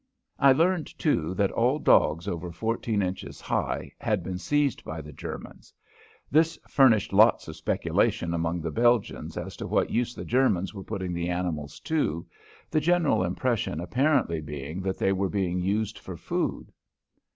I learned, too, that all dogs over fourteen inches high had been seized by the Germans. This furnished lots of speculation among the Belgians as to what use the Germans were putting the animals to, the general impression apparently being that they were being used for food.